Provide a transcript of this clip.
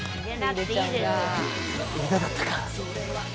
枝だったか。